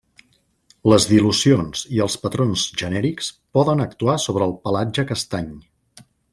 Les dilucions i els patrons genèrics poden actuar sobre el pelatge castany.